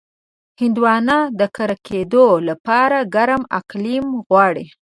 هندوانه د کر کېدو لپاره ګرم اقلیم غواړي.